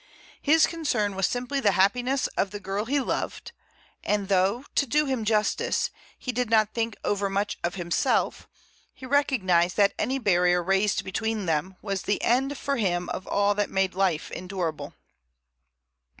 His concern was simply the happiness of the girl he loved, and though, to do him justice, he did not think overmuch of himself, he recognized that any barrier raised between them was the end for him of all that made life endurable.